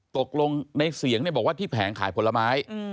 ตกลงในเสียงบอกว่าที่แผงขายผลไม้